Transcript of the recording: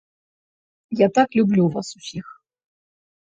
Я так люблю вас усіх!